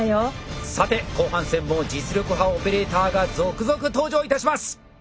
さて後半戦も実力派オペレーターが続々登場いたします！